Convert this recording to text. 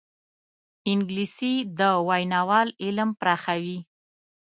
انګلیسي د ویناوال علم پراخوي